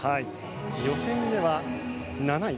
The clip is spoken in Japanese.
予選では７位。